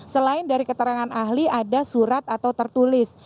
selain dari keterangan ahli ada surat atau tertulis